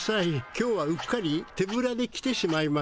今日はうっかり手ぶらで来てしまいました。